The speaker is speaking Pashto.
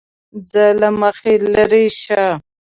زه له مخې لېرې شه!